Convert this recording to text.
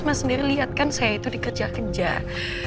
mas sendiri lihat kan saya itu dikejar kejar